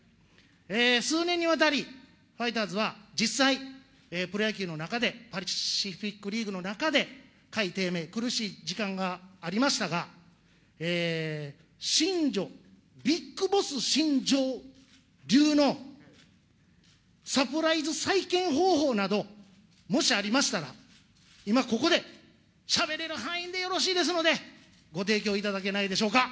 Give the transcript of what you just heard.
数年にわたり、ファイターズは実際、プロ野球の中で、パシフィックリーグの中で再低迷、苦しい時間がありましたが、新庄、ビッグボス新庄流のサプライズ再建方法などもしありましたら、今ここでしゃべれる範囲でよろしいですので、ご提供いただけないでしょうか。